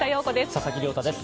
佐々木亮太です。